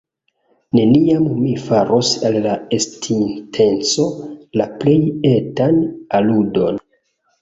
Neniam mi faros al la estinteco la plej etan aludon.